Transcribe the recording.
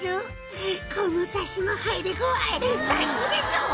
「このサシの入り具合最高でしょ！」